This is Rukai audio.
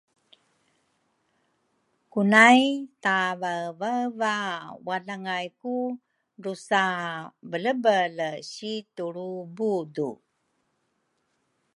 kunay tavaevaeva walangay ku drusa belebele si tulru budu.